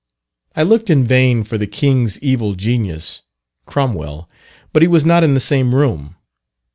I looked in vain for the king's evil genius (Cromwell), but he was not in the same room.